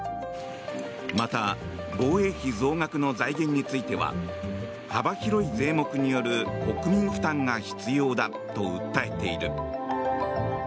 また防衛費増額の財源については幅広い税目による国民負担が必要だと訴えている。